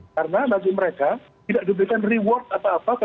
karena bagi mereka tidak diberikan reward apa apa